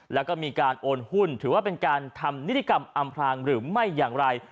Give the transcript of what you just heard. แล้วก็มีการโอนหุ้นถือว่าเป็นการทำนิติกรรมอำพลางหรือไม่อย่างไร